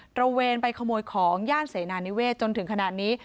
ระเวนไปขโมยของย่านเสนานิเวศจนถึงขนาดนี้